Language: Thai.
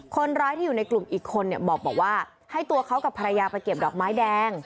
คนร้ายที่อยู่ในกลุ่มอีกคนเนี่ยบอกว่าให้ตัวเขากับภรรยาไปเก็บดอกไม้แดง